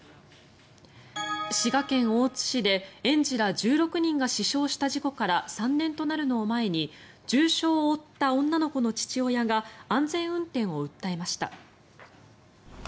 滋賀県大津市で園児ら１６人が死傷した事故から３年となるのを前に重傷を負った女の子の父親が安全運転を訴えました。